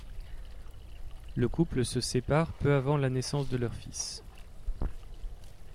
Le couple se sépare peu avant la naissance de leur fils.